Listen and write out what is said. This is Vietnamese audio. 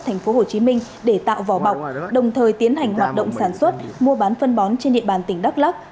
tp hcm để tạo vỏ bọc đồng thời tiến hành hoạt động sản xuất mua bán phân bón trên địa bàn tỉnh đắk lắc